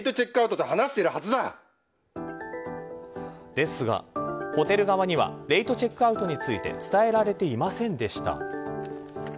ですがホテル側にはレイトチェックアウトについて伝えられていませんでした。